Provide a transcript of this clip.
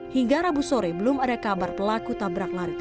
hingga rabu sore belum ada kabar pelajaran